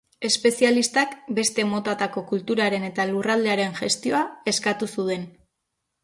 Espezialistak beste motatako kulturaren eta lurraldearen gestioa eskatu zuen.